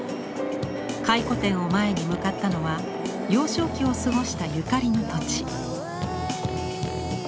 回顧展を前に向かったのは幼少期を過ごしたゆかりの土地。